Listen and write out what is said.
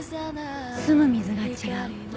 「すむ水が違う」。